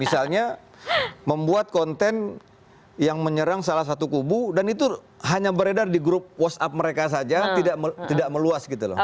misalnya membuat konten yang menyerang salah satu kubu dan itu hanya beredar di grup whatsapp mereka saja tidak meluas gitu loh